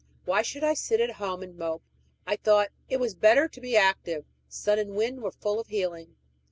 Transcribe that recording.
Why should I sit at home and mope, I thought; it was better to be active: sun and wind were full of healing.